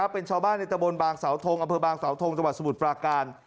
เป็นชาวบ้านในตะบนบางสาวทงอำเภอบางสาวทงจังหวัดสมุทรปราการ